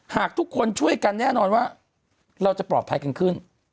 หากทุกคนช่วยกันแน่นอนว่าเราจะปลอดภัยกันขึ้น